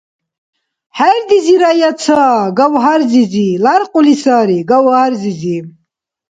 ХӀердизирая ца! Гавгьар-зизи ляркьули сари, Гавгьар-зизи!